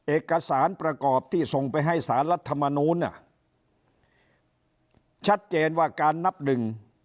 เอกสารประกอบที่ส่งไปให้สารรัฐมนูลน่ะชัดเจนว่าการนับหนึ่ง